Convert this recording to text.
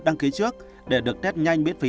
đăng ký trước để được test nhanh miễn phí